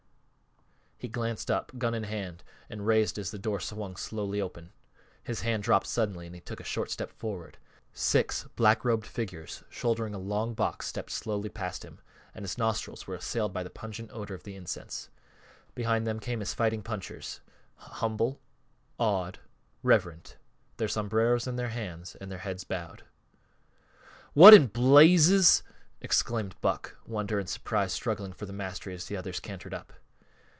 _ He glanced up, gun in hand and raised as the door swung slowly open. His hand dropped suddenly and he took a short step forward; six black robed figures shouldering a long box stepped slowly past him, and his nostrils were assailed by the pungent odor of the incense. Behind them came his fighting punchers, humble, awed, reverent, their sombreros in their hands, and their heads bowed. "What in blazes!" exclaimed Buck, wonder and surprise struggling for the mastery as the others cantered up.